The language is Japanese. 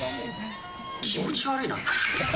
気持ち悪いな。